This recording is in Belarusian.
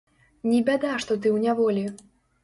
Не бяда, што ты ў няволі.